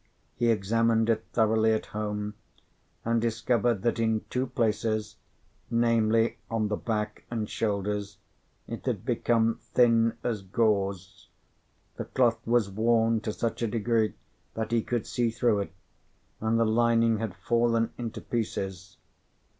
He examined it thoroughly at home, and discovered that in two places, namely, on the back and shoulders, it had become thin as gauze: the cloth was worn to such a degree that he could see through it, and the lining had fallen into pieces.